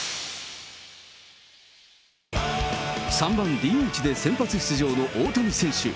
３番ＤＨで先発出場の大谷選手。